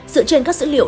dựa trên các dữ liệu